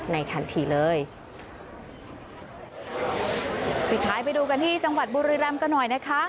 มีดูกันที่จังหวัดบุรีรัมพ์ก็หน่อยนะคะ